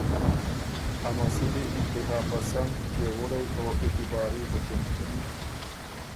ا مسُودی انتها پسند، پئےوُړئ او اعتباري بُکِن۔